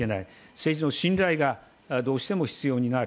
政治の信頼がどうしても必要になる。